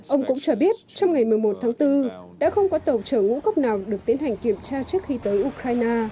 ông cũng cho biết trong ngày một mươi một tháng bốn đã không có tàu chở ngũ cốc nào được tiến hành kiểm tra trước khi tới ukraine